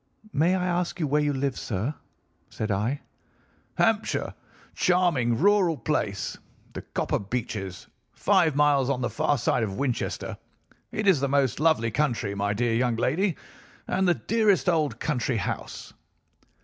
"'May I ask where you live, sir?' said I. "'Hampshire. Charming rural place. The Copper Beeches, five miles on the far side of Winchester. It is the most lovely country, my dear young lady, and the dearest old country house.